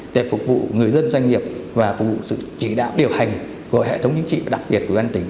để phục vụ người dân doanh nghiệp và phục vụ sự chỉ đạo điều hành của hệ thống chính trị đặc biệt của ban tỉnh